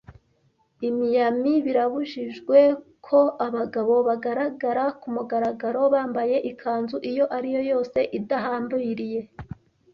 I Miami birabujijwe ko abagabo bagaragara kumugaragaro bambaye ikanzu iyo ari yo yose idahambiriye